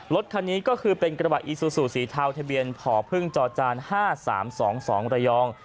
รถคันนี้ก็คือเป็นกระบะอีซูซูสีเทาทะเบียนผอพึ่งจอจาน๕๓๒๒ระยอง